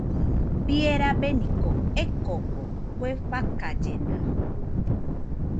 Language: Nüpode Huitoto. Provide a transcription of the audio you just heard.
Bie rabeniko ekoko, kue fakallena